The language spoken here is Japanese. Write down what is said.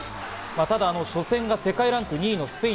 ただ初戦が世界ランク２位のスペイン。